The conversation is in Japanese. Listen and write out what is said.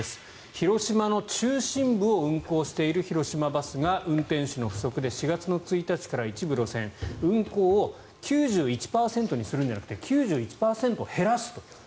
広島の中心部を運行している広島バスが運転手の不足で４月１日から一部路線運行を９１％にするんじゃなくて９１％減らすと。